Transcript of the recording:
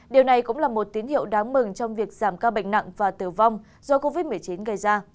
điều này cũng là một tín hiệu đáng mừng trong việc giảm ca bệnh nặng và tử vong do covid một mươi chín gây ra